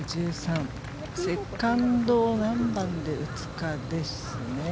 セカンド、何番で打つかですね。